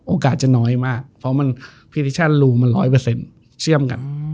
โอกาสจะน้อยมากเพราะมันพรีดิชั่นรูมันร้อยเปอร์เซ็นต์เสี่ยมกัน